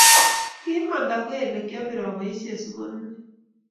ki imanda kele kiabir aboisien sokonwe